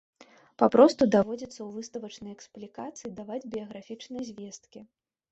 Папросту даводзіцца ў выставачнай эксплікацыі даваць біяграфічныя звесткі.